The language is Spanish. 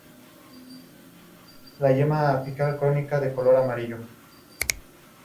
La yema apical cónica de color amarillo.